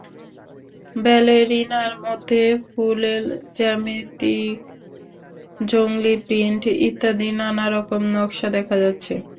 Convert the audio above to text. ব্যালেরিনার মধ্যে ফুলেল, জ্যামিতিক, জংলি প্রিন্ট ইত্যাদি নানা রকম নকশা দেখা যাচ্ছে।